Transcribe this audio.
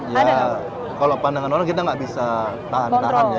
ya kalau pandangan orang kita nggak bisa tahan tahan ya